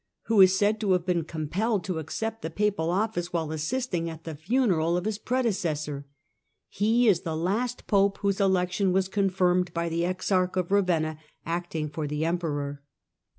who is said to have been compelled to accept the Papal office while assisting at the funeral of his pre decessor. He is the last Pope whose election was confirmed by the Exarch of Ravenna, acting for the Emperor.